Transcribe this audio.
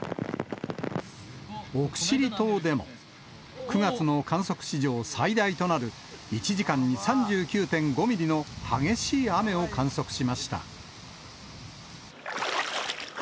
奥尻島でも、９月の観測史上最大となる１時間に３９．５ミリの激しい雨を観測しました。